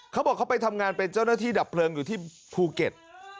เขาบอกเขาไปทำงานเป็นเจ้าหน้าที่ดับเพลิงอยู่ที่ภูเก็ต